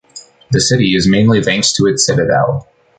The city is mainly thanks to its citadel.